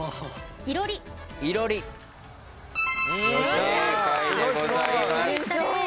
正解でございます。